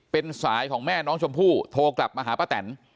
เป็นสายของแม่น้องชมพู่โทรกลับมาหาป้าแตน